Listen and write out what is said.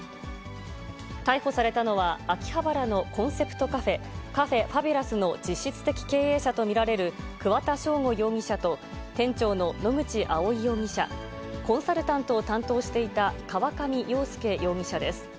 逮捕されたのは秋葉原のコンセプトカフェ、カフェファビュラスの実質的経営者と見られる桑田祥吾容疑者と、店長の野口あおい容疑者、コンサルタントを担当していた川上洋介容疑者です。